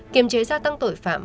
kiểm chế gia tăng tội phạm